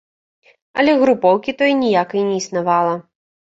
Але групоўкі той ніякай не існавала.